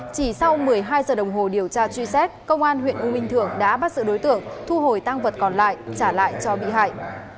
chỉ sau một mươi hai giờ đồng hồ điều tra truy xét công an huyện u minh thượng đã bắt giữ đối tượng thu hồi tăng vật còn lại trả lại cho bị hại